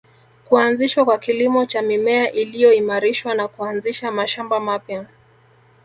Kuanzishwa kwa kilimo cha mimea iliyoimarishwa na kuanzisha mashamba mapya